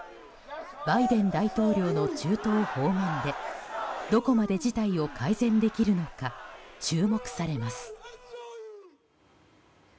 バイデン大統領の中東訪問でどこまで事態を改善できるのか注目されます。